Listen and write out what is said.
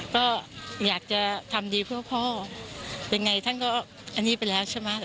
ก็อยากจะทำดีเพื่อพ่อยังไงท่านก็อันนี้ไปแล้วใช่ไหม